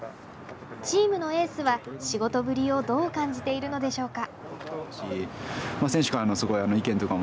チームのエースは、仕事ぶりをどう感じているのでしょうか。